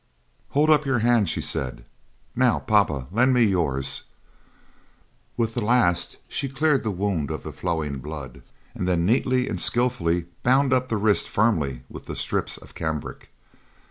'Hold up your hand,' she said. 'Now, papa, lend me yours.' With the last she cleared the wound of the flowing blood, and then neatly and skilfully bound up the wrist firmly with the strips of cambric.